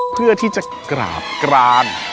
เพื่อที่จะกราบกราน